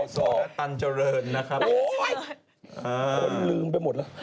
สตันเจริญนะครับโอ้ยคนลืมไปหมดแล้ว